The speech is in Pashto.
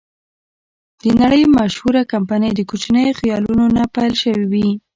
د نړۍ مشهوره کمپنۍ د کوچنیو خیالونو نه پیل شوې وې.